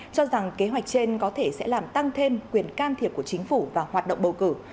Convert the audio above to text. cho rằng kế hoạch trên có thể sẽ làm tăng thêm quyền can thiệp của chính phủ và hoạt động bầu cử